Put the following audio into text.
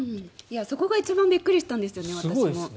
そこが一番びっくりしたんですよね、私も。